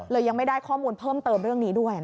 ยังไม่ได้ข้อมูลเพิ่มเติมเรื่องนี้ด้วย